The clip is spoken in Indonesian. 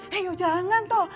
hei jangan toh